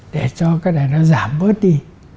để cho cái này nó giảm bớt đi